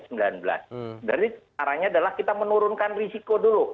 jadi arahnya adalah kita menurunkan risiko dulu